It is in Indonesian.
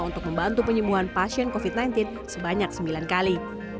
untuk membantu penyembuhan pasien covid sembilan belas sebanyak sembilan kali